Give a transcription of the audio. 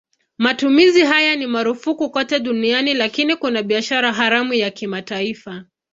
Matumizi haya ni marufuku kote duniani lakini kuna biashara haramu ya kimataifa.